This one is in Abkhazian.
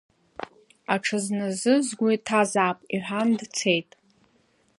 Аҽазназы сгәы иҭазаап, — иҳәан дцеит.